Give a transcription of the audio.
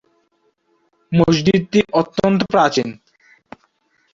মসজিদটি অত্যন্ত প্রাচীন।